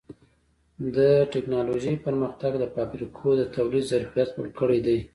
د ټکنالوجۍ پرمختګ د فابریکو د تولید ظرفیت لوړ کړی دی.